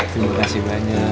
terima kasih banyak